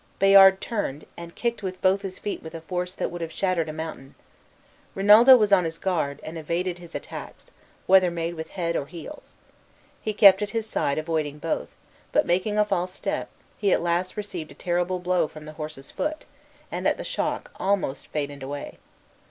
Bayard turned, and kicked with both his feet with a force that would have shattered a mountain. Rinaldo was on his guard, and evaded his attacks, whether made with head or heels. He kept at his side avoiding both; but, making a false step, he at last received a terrible blow from the horse's foot, and at the shock almost fainted away.